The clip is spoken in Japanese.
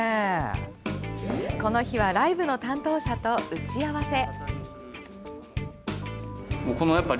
この日はライブの担当者と打ち合わせ。